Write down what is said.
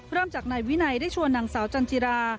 เริ่มจากนายวินัยได้ชวนนางสาวจันจิรา